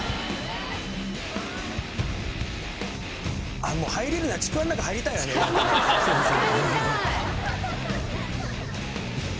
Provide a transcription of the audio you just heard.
ああもう入れるならちくわの中入りたいあれ！